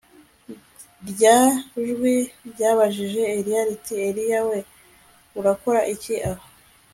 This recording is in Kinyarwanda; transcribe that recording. Rya jwi ryabajije Eliya riti Eliya we urakora iki aho